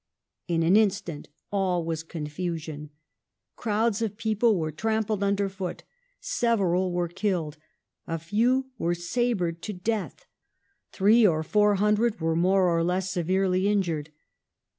In an instant all was confusion. Crowds of people were trampled under foot ; several were killed ; a few were sabred to death ; three or four hundred were more or less severely injured.